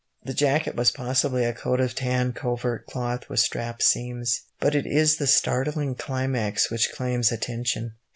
The jacket was possibly a coat of tan covert cloth with strapped seams, but it is the startling climax which claims attention.